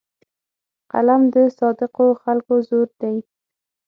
قلم د صادقو خلکو زور دی